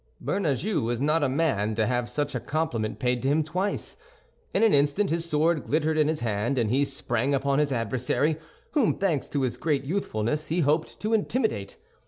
Bernajoux was not a man to have such a compliment paid to him twice. In an instant his sword glittered in his hand, and he sprang upon his adversary, whom, thanks to his great youthfulness, he hoped to intimidate.